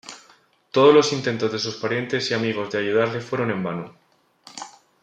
Todos los intentos de sus parientes y amigos de ayudarle fueron en vano.